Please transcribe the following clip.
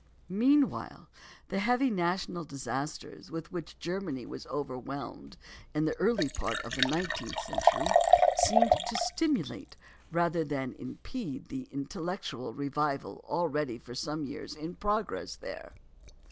Meanwhile, the heavy national disasters with which Germany was overwhelmed in the early part of the nineteenth century seemed to stimulate rather than impede the intellectual revival already for some years in progress there.